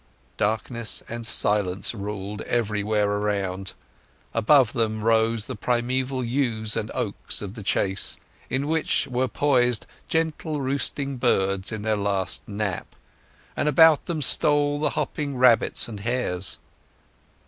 Darkness and silence ruled everywhere around. Above them rose the primaeval yews and oaks of The Chase, in which there poised gentle roosting birds in their last nap; and about them stole the hopping rabbits and hares.